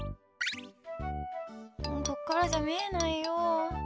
ここからじゃ見えないよ。